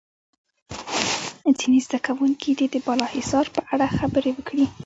ځینې زده کوونکي دې د بالا حصار په اړه خبرې وکړي.